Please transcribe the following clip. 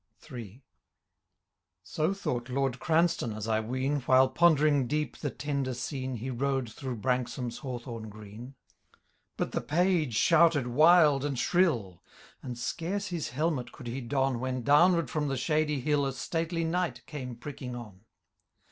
III. So thought Lord Cranstoun, as I ween. While, pondering deep the tender scene, He rode through Branksome^s hawthorn green. But the page shouted wild and shrill. And scarce his helmet could he don. When downward from the shady hill A stately knight came pricking on.